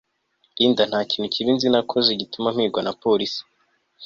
Linda ntakintu kibi nzi nakoze gituma mpigwa na police